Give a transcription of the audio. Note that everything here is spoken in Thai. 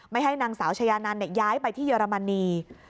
ไม่ให้นางสาวชยานันทร์เนี่ยย้ายไปที่เยอรมนี